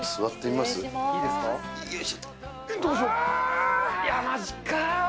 まじか。